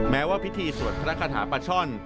แม้ว่าพิธีสวดพระคาถาปลาช่อน